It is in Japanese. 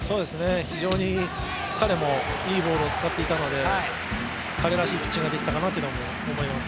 非常に彼もいいボールを使っていたので、彼らしいピッチングができたのかなと思います。